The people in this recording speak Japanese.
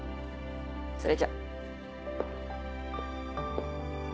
それじゃ。